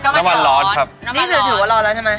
นี่ถือว่าร้อนแล้วใช่มะ